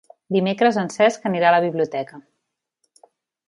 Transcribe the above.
Dimecres en Cesc anirà a la biblioteca.